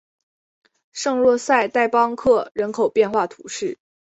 圣若塞代邦克人口变化图示